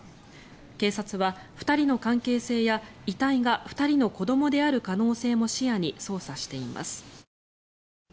警察は２人の関係性や遺体が２人の子どもである可能性も視野に捜査しています。